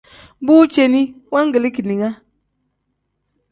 Bu ceeni wangilii keninga.